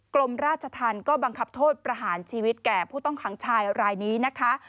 กรมราชธรรมก็บังคับโทษประหารชีวิตแก่ผู้ต้องขังชายรายนี้นะคะ